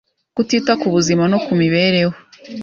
kutita ku buzima no ku mibereho